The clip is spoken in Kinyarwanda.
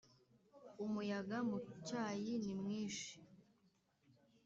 umuyaga mucyayi nimwishi